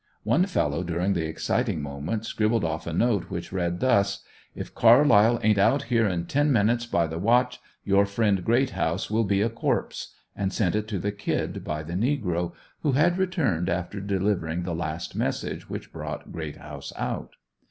One fellow during the exciting moment scribbled off a note which read thus: "If Carlyle ain't out here in ten minutes by the watch, your friend Greathouse will be a corpse," and sent it to the "Kid" by the negro, who had returned after delivering the last message which brought Greathouse out.